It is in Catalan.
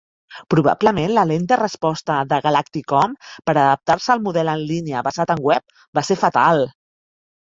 Probablement, la lenta resposta de Galacticomm per adaptar-se al model en línia basat en web va ser fatal.